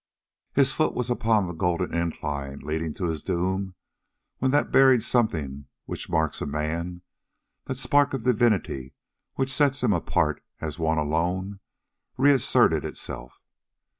His foot was upon the golden incline leading to his doom, when that buried something which marks a man the spark of divinity which sets him apart as one alone reasserted itself.